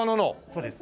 そうです。